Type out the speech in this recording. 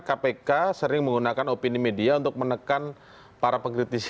kpk sering menggunakan opini media untuk menekan para pengkritisi